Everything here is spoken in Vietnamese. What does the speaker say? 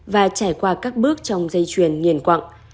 và trải qua các bước trong dây chuyền nghiền quặng